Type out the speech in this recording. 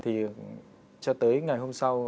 thì cho tới ngày hôm sau